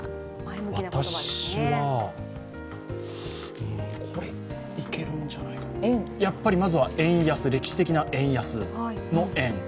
私はこれ、いけるんじゃないかとやっぱりまずは歴史的な円安の「円」。